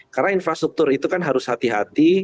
karena infrastruktur itu kan harus hati hati